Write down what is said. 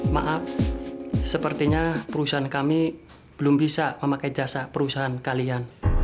maaf sepertinya perusahaan kami belum bisa memakai jasa perusahaan kalian